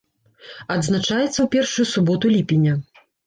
Адзначаецца ў першую суботу ліпеня.